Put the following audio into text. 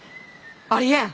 ありえん！